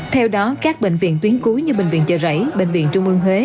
theo đó các bệnh viện tuyến cuối như bệnh viện chợ rẫy bệnh viện trung ương huế